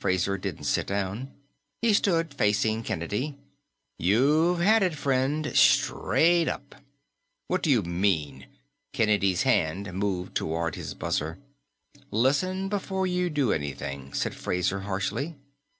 Fraser didn't sit down. He stood facing Kennedy. "You've had it, friend; straight up." "What do you mean?" Kennedy's hand moved toward his buzzer. "Listen before you do anything," said Fraser harshly.